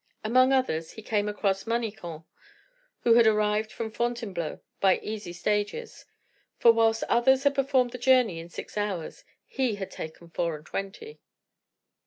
Among others he came across Manicamp, who had arrived from Fontainebleau by easy stages; for whilst others had performed the journey in six hours, he had taken four and twenty.